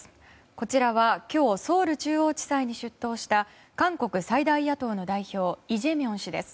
こちらは今日ソウル中央地裁に出頭した韓国最大野党の代表イ・ジェミョン氏です。